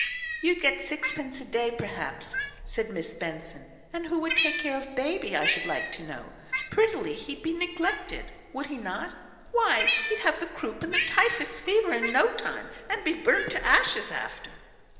"You'd get sixpence a day, perhaps," said Miss Benson, "and who would take care of baby, I should like to know? Prettily he'd be neglected, would not he? Why, he'd have the croup and the typhus fever in no time, and be burnt to ashes after."